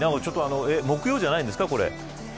木曜じゃないんですか、これ。